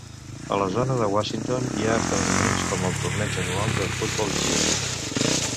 A la zona de Washington hi ha esdeveniments com el torneig anual de futbol etíop.